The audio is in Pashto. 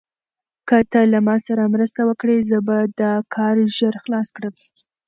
که ته له ما سره مرسته وکړې، زه به دا کار ژر خلاص کړم.